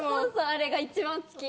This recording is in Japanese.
あれが一番好き。